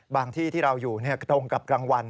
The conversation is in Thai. ที่ที่เราอยู่ตรงกับกลางวัน